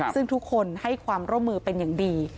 ซึ่งทุกคนให้ความร่วมมือเป็นอย่างดี